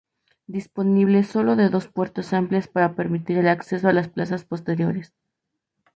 Dispone sólo de dos puertas amplias para permitir el acceso a las plazas posteriores.